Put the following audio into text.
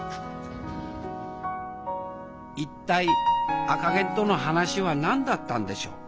一体赤ゲンとの話は何だったんでしょう？